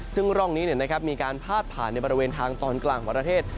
ซึ่งร่องนี้มีการพาดผ่านในบริเวณทางตอนกลางของประเทศ